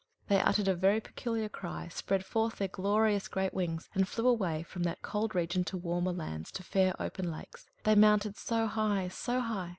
They uttered a very peculiar cry, spread forth their glorious great wings, and flew away from that cold region to warmer lands, to fair open lakes. They mounted so high, so high!